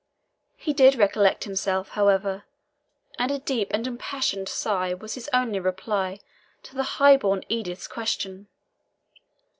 He did recollect himself, however, and a deep and impassioned sigh was his only reply to the high born Edith's question.